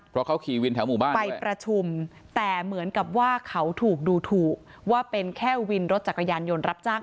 เพราะเขาขี่วินแถวหมู่บ้านไปประชุมแต่เหมือนกับว่าเขาถูกดูถูกว่าเป็นแค่วินรถจักรยานยนต์รับจ้าง